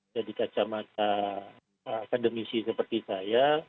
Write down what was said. dari kacamata akademisi seperti saya